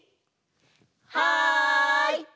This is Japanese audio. はい！